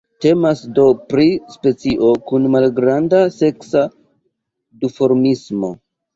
Temas do pri specio kun malgranda seksa duformismo.